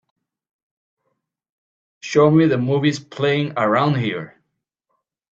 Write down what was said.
show me the movies playing around here